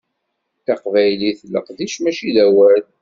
Taqbaylit d leqdic mačči d awal.